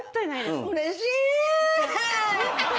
うれしい！